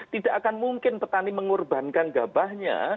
tidak akan mungkin petani mengorbankan gabahnya